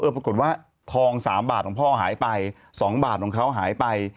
ปรากฏว่าทอง๓บาทของพ่อหายไป๒บาทของเขาหายไป